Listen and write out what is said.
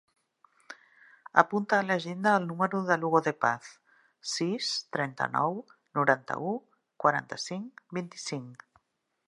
Apunta a l'agenda el número de l'Hugo De Paz: sis, trenta-nou, noranta-u, quaranta-cinc, vint-i-cinc.